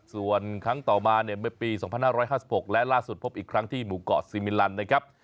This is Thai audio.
ส่วนครั้งต่อมาเนี่ยเมื่อปี๒๕๕๖และล่าสุดพบอีกครั้งที่หมู่เกาะซีมิลันนะครับ